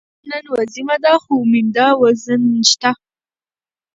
وزه نن وزيمه ده، خو مينده وز نشته